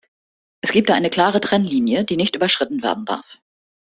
Es gibt da eine klare Trennlinie, die nicht überschritten werden darf.